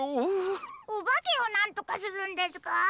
おばけをなんとかするんですか？